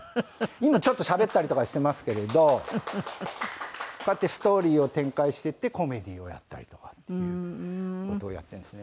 今ちょっとしゃべったりとかしてますけれどこうやってストーリーを展開していってコメディーをやったりとかっていう事をやってるんですね。